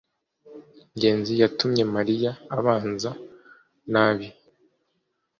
ngenzi yatumye mariya abanza nabi